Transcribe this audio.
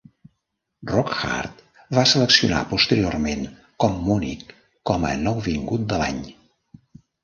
"Rock Hard" va seleccionar posteriorment Communic com a Nouvingut de l'Any.